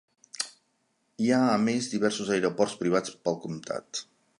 Hi ha a més diversos aeroports privats pel comtat.